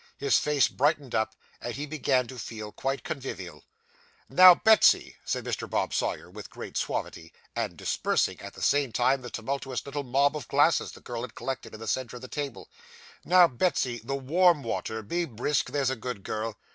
His face brightened up, and he began to feel quite convivial. 'Now, Betsy,' said Mr. Bob Sawyer, with great suavity, and dispersing, at the same time, the tumultuous little mob of glasses the girl had collected in the centre of the table 'now, Betsy, the warm water; be brisk, there's a good girl.